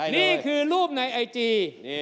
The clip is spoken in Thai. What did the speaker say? นี่คือรูปในไอจี